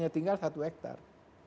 tinggal satu hektar